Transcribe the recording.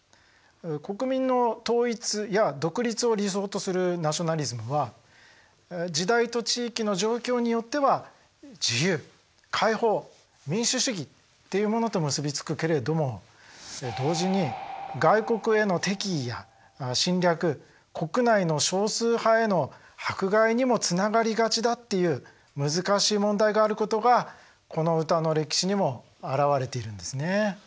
国民の統一や独立を理想とするナショナリズムは時代と地域の状況によっては自由解放民主主義っていうものと結びつくけれども同時に外国への敵意や侵略国内の少数派への迫害にもつながりがちだっていう難しい問題があることがこの歌の歴史にもあらわれているんですね。